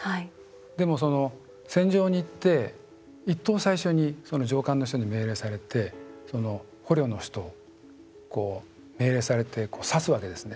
でも、戦場に行って一等最初に上官の人に命令されて捕虜の人を命令されて、刺すわけですね。